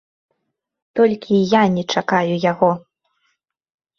Толькі я не чакаю яго.